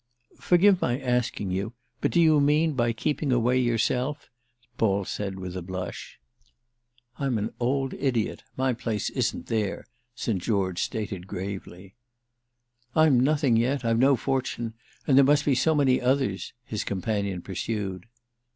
"Forgive my asking you, but do you mean by keeping away yourself?" Paul said with a blush. "I'm an old idiot—my place isn't there," St. George stated gravely. "I'm nothing yet, I've no fortune; and there must be so many others," his companion pursued.